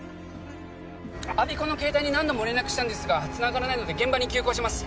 我孫子の携帯に何度も連絡したんですがつながらないので現場に急行します